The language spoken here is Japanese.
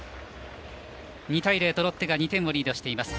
２対０とロッテが２点リードしています。